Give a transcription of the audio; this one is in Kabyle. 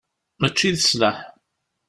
Mačči d sslaḥ.